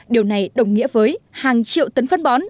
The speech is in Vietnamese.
điều này đồng nghĩa với hàng triệu tấn phân bó